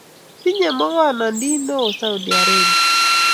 Tinye magornondit neo Saudi Arabia